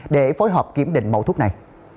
để phối hợp kiểm định mẫu thuốc này